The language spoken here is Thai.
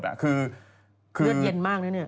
คือเลือดเย็นมากนะเนี่ย